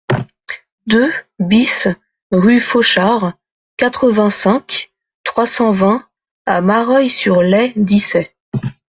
deux BIS rue Fauchard, quatre-vingt-cinq, trois cent vingt à Mareuil-sur-Lay-Dissais